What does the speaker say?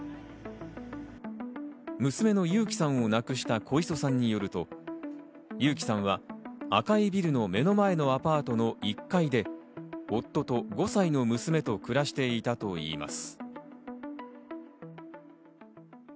娘が友紀さんを亡くした小磯さんによると、友紀さんは赤いビルの目の前のアパートの１階で夫と５歳の娘と暮らしていたといいます。